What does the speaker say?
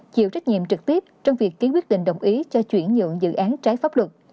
chịu trách nhiệm trực tiếp trong việc ký quyết định đồng ý cho chuyển nhượng dự án trái pháp luật